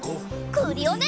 クリオネ！